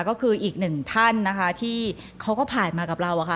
ก็คืออีกหนึ่งท่านนะคะที่เขาก็ผ่านมากับเราอะค่ะ